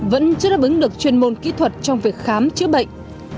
vẫn chưa đáp ứng được chuyên môn kỹ thuật trong việc khám chữa bệnh